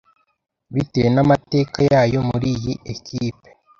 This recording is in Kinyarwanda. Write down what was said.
bitewe n’amateka yayo muriyi ekipe